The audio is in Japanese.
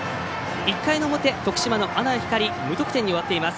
１回の表、徳島の阿南光無得点に終わっています。